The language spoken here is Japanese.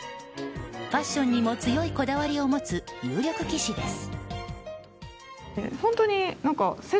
ファッションにも強いこだわりを持つ有力棋士です。